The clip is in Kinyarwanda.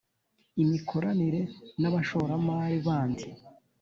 Imikoranire n’ abashoramari bandi